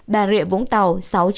bà rịa vũng tàu sáu trăm bảy mươi hai